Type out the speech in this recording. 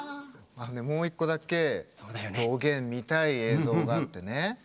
もう一個だけおげん、見たい映像があってね